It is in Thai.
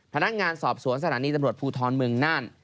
พนักงานสอบสวนสถานีตำรวจภูทรเมืองน่าน